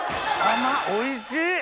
おいしい！